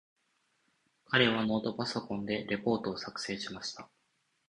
彼はノートパソコンでレポートを作成しました。